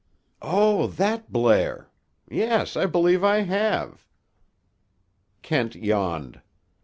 "Oh, that Blair! Yes, I believe I have." Kent yawned.